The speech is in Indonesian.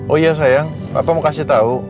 oh iya sayang papa mau kasih tau